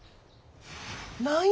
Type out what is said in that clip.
何や？